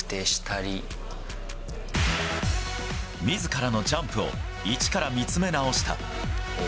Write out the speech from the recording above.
自らのジャンプをいちから見つめ直した。